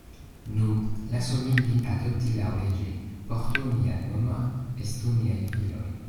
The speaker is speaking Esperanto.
Nu, lasu min vin adopti laŭleĝe; portu mian nomon; estu miaj filoj.